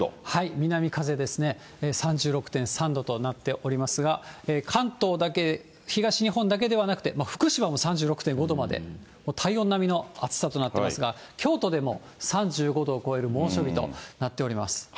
南風ですね、３６．３度となっておりますが、関東だけ、東日本だけではなくて、福島も３６．５度まで、体温並みの暑さとなってますが、京都でも３５度を超える猛暑日となっております。